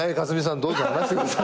どうぞ話してください。